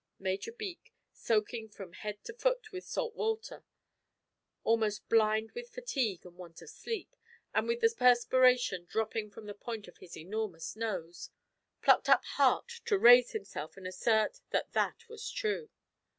Major Beak, soaking from head to foot with salt water, almost blind with fatigue and want of sleep, and with the perspiration dropping from the point of his enormous nose, plucked up heart to raise himself and assert that that was true.